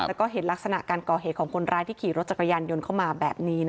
แต่ก็เห็นลักษณะการก่อเหตุของคนร้ายที่ขี่รถจักรยานยนต์เข้ามาแบบนี้